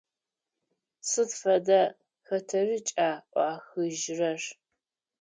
Сыд фэдэ хэтэрыкӏа ӏуахыжьырэр?